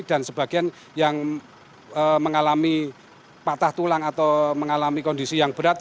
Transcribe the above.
dan sebagian yang mengalami patah tulang atau mengalami kondisi yang berat